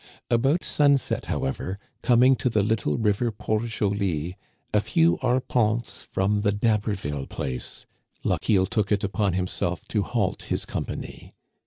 About sunset, however, coming to the little river Port Joli, a few arpents from the D'Haber ville place, Lochiel took it upon himself to halt his company.